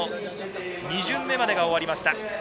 ２巡目までが終わりました。